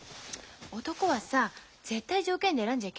男はさ絶対条件で選んじゃいけないのよ。